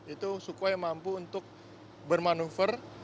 itu sukhoi mampu untuk bermanuver